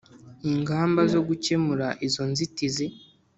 ingamba zo gukemura izo nzitizi